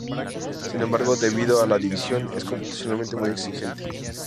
Sin embargo, debido a la división, es computacionalmente muy exigente.